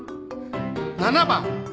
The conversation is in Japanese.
７番。